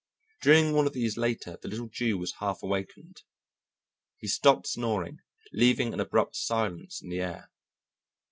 During one of these latter the little Jew was half awakened. He stopped snoring, leaving an abrupt silence in the air.